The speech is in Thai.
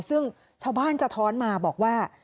ซึ่งชาวบ้านสะท้อนมาบอกว่า